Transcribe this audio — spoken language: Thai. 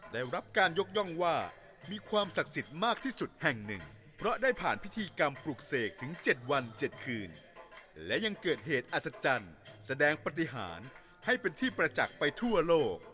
ได้รับการยกย่องว่ามีความศักดิ์สิทธิ์มากที่สุดแห่งหนึ่งเพราะได้ผ่านพิธีกรรมปลูกเสกถึง๗วัน๗คืนและยังเกิดเหตุอัศจรรย์แสดงปฏิหารให้เป็นที่ประจักษ์ไปทั่วโลก